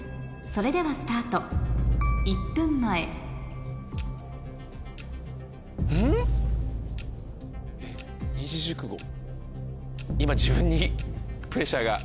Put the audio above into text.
それではスタート１分前えっ二字熟語。